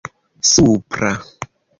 supra